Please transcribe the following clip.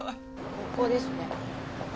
ここですね。